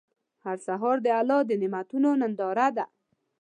هر سهار د الله د نعمتونو ننداره ده.